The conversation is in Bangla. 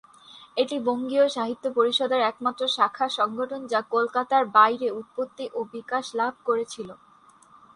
এটি বঙ্গীয় সাহিত্য পরিষদের একমাত্র শাখা সংগঠন যা কলকাতার বাইরে উৎপত্তি ও বিকাশ লাভ করেছিল।